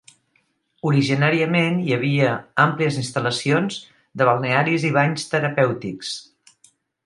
Originàriament hi havia àmplies instal·lacions de balnearis i banys terapèutics.